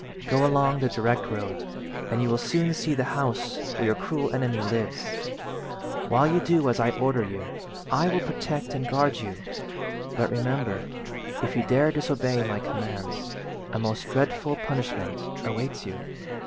"Go along the direct road, and you will soon see the house where your cruel enemy lives. While you do as I order you I will protect and guard you, but, remember, if you dare disobey my commands, a most dreadful punishment awaits you."